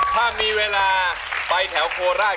ถ้ามีเวลาไปแถวโกแลท